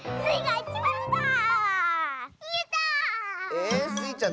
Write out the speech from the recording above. えスイちゃん